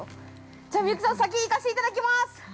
じゃあ、みゆきさん先に行かせていただきます。